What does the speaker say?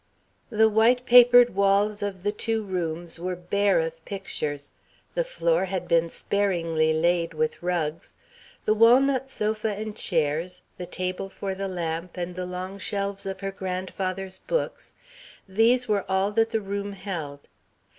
The white papered walls of the two rooms were bare of pictures; the floor had been sparingly laid with rugs. The walnut sofa and chairs, the table for the lamp, and the long shelves of her grandfather's books these were all that the room held.